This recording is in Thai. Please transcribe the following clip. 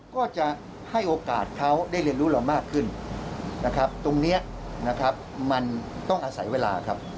ก็จะให้โอกาสเขาได้เรียนรู้เรามากขึ้นนะครับตรงนี้นะครับมันต้องอาศัยเวลาครับ